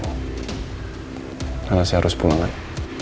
karena saya harus pulang lagi